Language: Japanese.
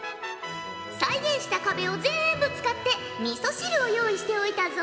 再現した壁をぜんぶ使ってみそ汁を用意しておいたぞ。